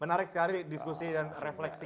menarik sekali diskusi dan refleksi